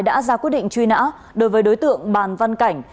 đã ra quyết định truy nã đối với đối tượng bàn văn cảnh